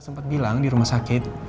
sempat bilang di rumah sakit